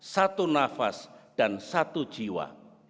satu nafas dan satu jiwa